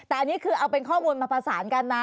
แต่อันนี้คือเอาเป็นข้อมูลมาประสานกันนะ